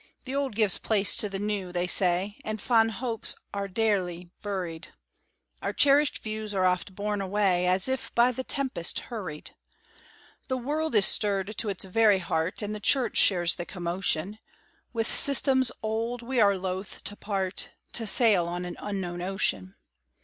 "The old gives place to the new," they say, "And fond hopes are daily buried; Our cherished views are oft borne away, As if by the tempest hurried. "The world is stirred to its very heart, And the Church shares the commotion; With systems old, we are loathe to part, To sail on an unknown ocean.